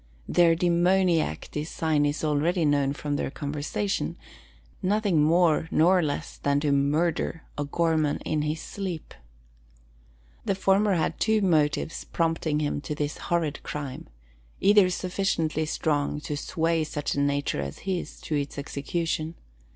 Their demoniac design is already known from their conversation, nothing more nor less than to murder O'Gorman in his sleep! The former had two motives prompting him to this horrid crime, either sufficiently strong to sway such a nature as his to its execution.